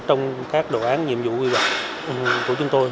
trong các đồ án nhiệm vụ quy hoạch của chúng tôi